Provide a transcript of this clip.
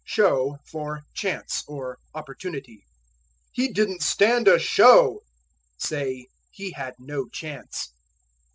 Show for Chance, or Opportunity. "He didn't stand a show." Say, He had no chance.